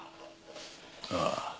ああ。